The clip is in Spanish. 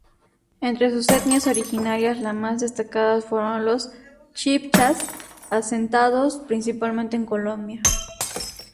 Entre sus etnias originarias la más destacada fueron los chibchas, asentados principalmente en Colombia.